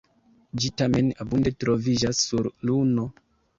Ĝi tamen abunde troviĝas sur Luno.